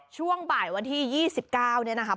ช่วงบ่ายวันที่๒๙เนี่ยนะครับ